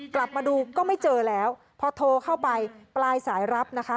กลับมาดูก็ไม่เจอแล้วพอโทรเข้าไปปลายสายรับนะคะ